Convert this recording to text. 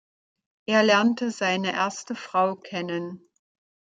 Er lernte seine erste Frau kennen.